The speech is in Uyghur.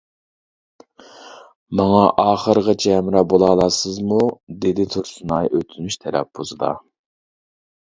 — ماڭا ئاخىرغىچە ھەمراھ بولالارسىزمۇ؟ — دېدى تۇرسۇنئاي ئۆتۈنۈش تەلەپپۇزدا.